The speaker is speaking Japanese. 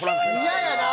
嫌やな。